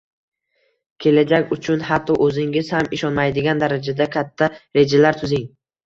Kelajak uchun hatto o’zingiz ham ishonmaydigan darajada katta rejalar tuzing